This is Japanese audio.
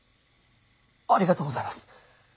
ありがとうございます。